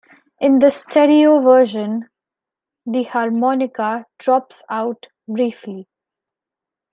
In the stereo version, the harmonica drops out briefly.